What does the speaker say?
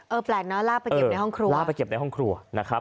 แปลกเนอะลากไปเก็บในห้องครัวลากไปเก็บในห้องครัวนะครับ